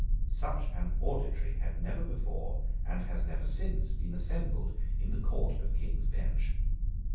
Such an auditory had never before and has never since been assembled in the Court of King's Bench.